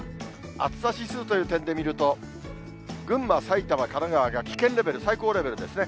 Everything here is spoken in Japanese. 暑さ指数という点で見ると、群馬、埼玉、神奈川が危険レベル、最高レベルですね。